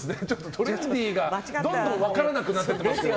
トレンディーがどんどん分からなくなってきましたけど。